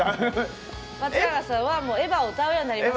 松永さんはエヴァを歌うようになります！